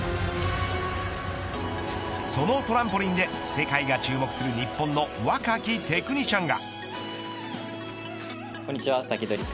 そのトランポリンで世界が注目する日本の若きテクニシャンが。